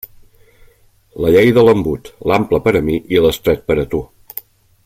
La llei de l'embut: l'ample per a mi i l'estret per a tu.